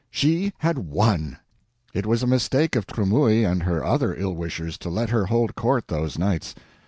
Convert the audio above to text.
She had won! It was a mistake of Tremouille and her other ill wishers to let her hold court those nights.